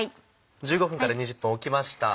１５分から２０分おきました。